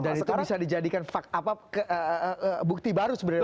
dan itu bisa dijadikan fakta apa bukti baru sebenarnya